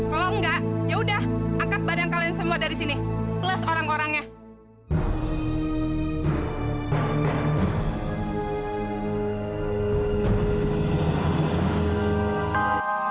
kalau nggak ya udah angkat badan kalian semua dari sini plus orang orangnya